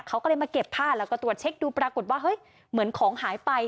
เขาก็เลยมาเก็บผ้าแล้วก็ตรวจเช็คดูปรากฏว่าเฮ้ยเหมือนของหายไป